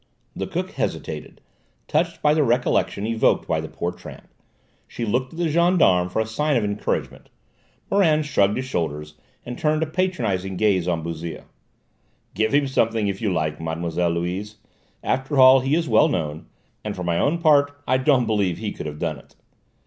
The cook hesitated, touched by the recollections evoked by the poor tramp; she looked at the gendarme for a sign of encouragement. Morand shrugged his shoulders and turned a patronising gaze on Bouzille. "Give him something, if you like, Mme. Louise. After all, he is well known. And for my own part I don't believe he could have done it."